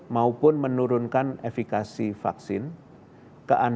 maupun menurunkan efekasi kesehatan